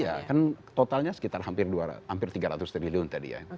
iya kan totalnya sekitar hampir tiga ratus triliun tadi ya